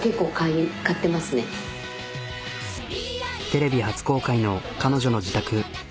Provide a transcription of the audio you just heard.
テレビ初公開の彼女の自宅。